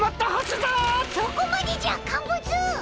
そこまでじゃカンブツ！